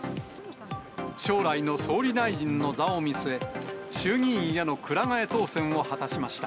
将来の総理大臣の座を見据え、衆議院へのくら替え当選を果たしました。